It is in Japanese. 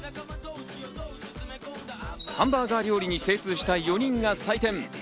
ハンバーガー料理に精通した４人が採点。